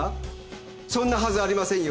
そんなはずありませんよ！